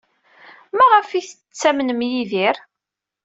Maɣef ay tettamnem Yidir?